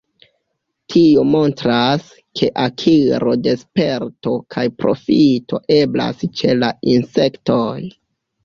Tio montras, ke akiro de sperto kaj profito eblas ĉe la insektoj.